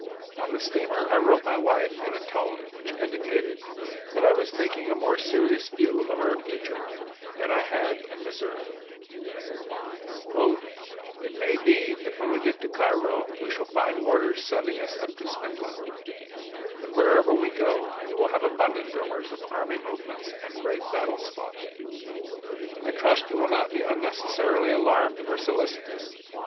On the steamer I wrote my wife in a tone which indicated that I was taking a more serious view of our future than I had in Missouri: "It may be that when we get to Cairo we shall find orders sending us up to Smithland, but wherever we go you will have abundant rumors of army movements and great battles fought. I trust you will not be unnecessarily alarmed or solicitous.